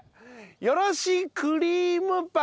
よろしクリームパン。